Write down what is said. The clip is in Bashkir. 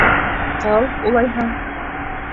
Ҡал, улайһа.